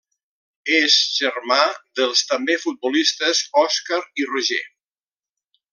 És germà dels també futbolistes Òscar i Roger.